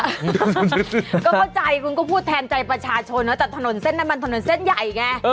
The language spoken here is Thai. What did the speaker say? ก็เข้าใจคุณก็พูดแทนใจประชาชนนะแต่ถนนเส้นน้ำมันถนนเส้นใหญ่ไง